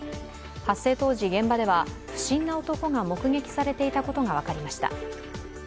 発生当時、現場では不審な男が目撃されていたことが分かりました。